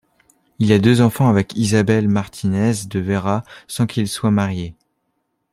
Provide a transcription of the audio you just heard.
Il a deux enfants avec Isabel Martínez de Vera sans qu'ils soient mariés.